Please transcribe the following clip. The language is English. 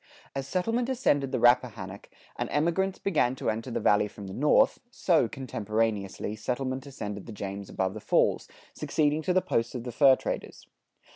As settlement ascended the Rappahannock, and emigrants began to enter the Valley from the north, so, contemporaneously, settlement ascended the James above the falls, succeeding to the posts of the fur traders.